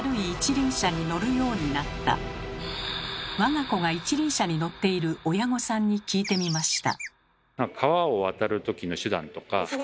我が子が一輪車に乗っている親御さんに聞いてみました。